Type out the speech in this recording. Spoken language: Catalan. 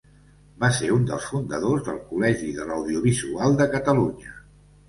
Va ser un dels fundadors del Col·legi de l'Audiovisual de Catalunya.